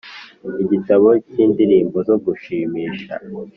igitabo cyindirimbo zo gushimisha